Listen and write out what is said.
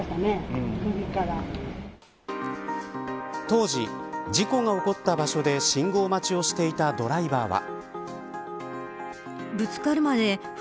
当時、事故が起こった場所で信号待ちをしていたドライバーは。